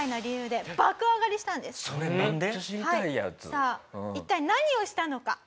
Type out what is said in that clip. さあ一体何をしたのか。